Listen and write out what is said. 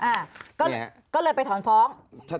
นี่เหรอครับก็เลยไปถอนฝ้อง